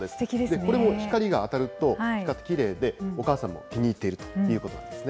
これも光が当たるときれいで、お母さんも気に入っているということですね。